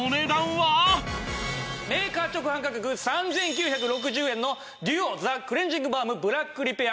メーカー直販価格３９６０円のＤＵＯザクレンジングバームブラックリペア。